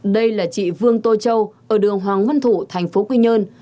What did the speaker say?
đây là chị vương tô châu ở đường hoàng nguyên thủ tp quy nhơn